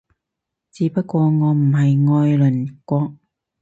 只不過我唔係愛鄰國